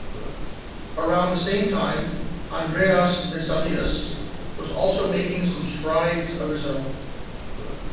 Around the same time, Andreas Vesalius was also making some strides of his own.